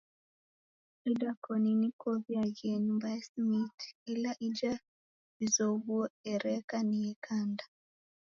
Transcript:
Idakoni niko w'iaghie nyumba ya smiti ela ija w'izoghue ereka ni yekanda.